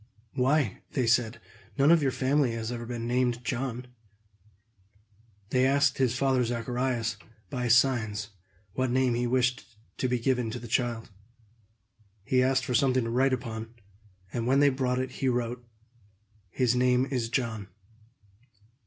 "Why," they said, "none of your family have ever been named John!" They asked his father Zacharias, by signs, what name he wished to be given to the child. He asked for something to write upon; and when they brought it, he wrote, "His name is John."